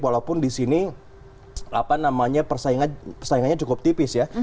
walaupun di sini persaingannya cukup tipis ya